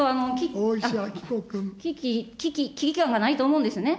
危機、危機感がないと思うんですね。